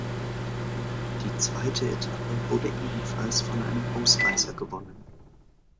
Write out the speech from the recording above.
Die zweite Etappe wurde ebenfalls von einem Ausreißer gewonnen.